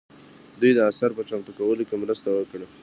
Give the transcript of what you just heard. دوی د اثر په چمتو کولو کې مرسته وکړه.